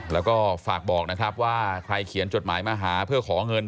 แล้วก็ฝากบอกนะครับว่าใครเขียนจดหมายมาหาเพื่อขอเงิน